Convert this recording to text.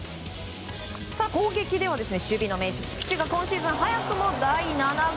攻撃では守備の名手菊池が今シーズン早くも第７号。